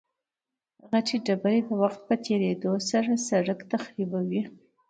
غټې ډبرې د وخت په تېرېدو سره سرک تخریبوي